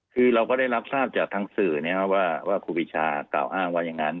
คือเราก็ได้รับทราบจากทางสื่อนะครับว่าครูปีชากล่าวอ้างว่าอย่างนั้น